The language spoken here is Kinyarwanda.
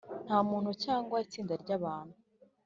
Nta muntu cyangwa itsinda ry’abantu